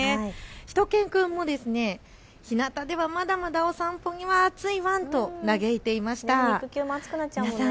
しゅと犬くんもひなたではまだまだお散歩には暑いワンと嘆いていました。